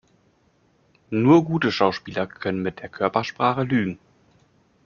Nur gute Schauspieler können mit der Körpersprache lügen.